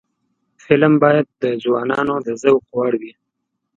فلم باید د ځوانانو د ذوق وړ وي